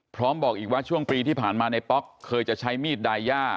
พร้อมบอกอีกว่าช่วงปีที่ผ่านมานายป๊อกเคยจะใช้มีดไดย่า